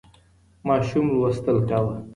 ماشوم لوستل کاوه.